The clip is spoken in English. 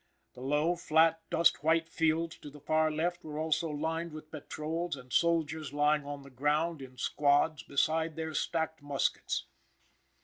The low, flat, dust white fields to the far left were also lined with patrols and soldiers lying on the ground in squads beside their stacked muskets.